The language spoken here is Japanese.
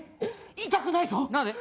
痛くないぞ何で？